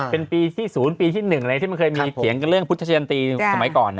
เป็นปีที่๐ปีที่๑อะไรที่มันเคยมีเถียงกันเรื่องพุทธชะยันตีสมัยก่อน